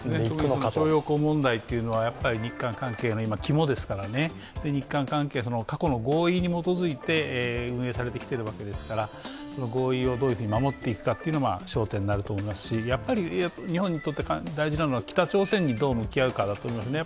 徴用工問題というのは日韓関係のキモですから、日韓関係、過去の合意に基づいて運営されてきているわけですから合意をどういうふうに守っていくのかというのが焦点になると思いますし、やはり日本にとって大事なのは北朝鮮にどう向き合うかですね。